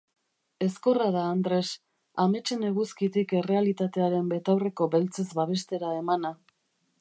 Ezkorra da Andres, ametsen eguzkitik errealitatearen betaurreko beltzez babestera emana.